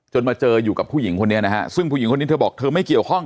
มาเจออยู่กับผู้หญิงคนนี้นะฮะซึ่งผู้หญิงคนนี้เธอบอกเธอไม่เกี่ยวข้อง